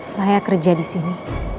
saya kerja disini